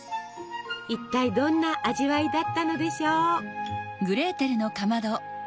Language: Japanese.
一体どんな味わいだったのでしょう。